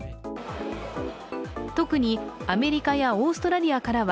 特にアメリカやオーストラリアからは